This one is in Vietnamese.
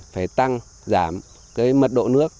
phải tăng giảm cái mật độ nước